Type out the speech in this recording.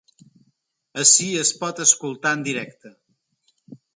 Ací es pot escoltar en directe.